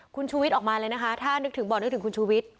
คุณชูวิทย์ออกมาเลยนะคะถ้านึกถึงบอกนึกถึงคุณชูวิทย์